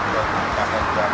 yang tidak baik